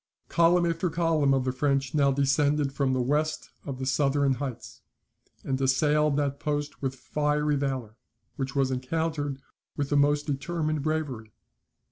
Column after column of the French now descended from the west of the southern heights, and assailed that post with fiery valour, which was encountered with the most determined bravery.